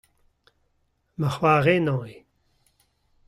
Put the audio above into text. Ma c'hoar henañ eo.